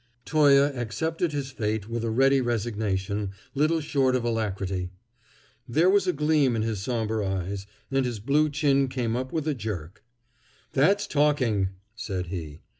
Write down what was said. Toye accepted his fate with a ready resignation, little short of alacrity. There was a gleam in his somber eyes, and his blue chin came up with a jerk. "That's talking!" said he.